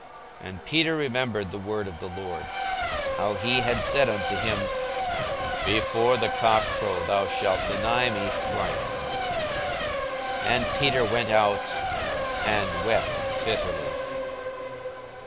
And Peter remembered the word of the Lord, how he had said unto him, Before the cock crow, thou shalt deny me thrice. 42:022:062 And Peter went out, and wept bitterly.